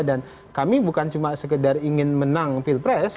dan kami bukan cuma sekedar ingin menang pilpres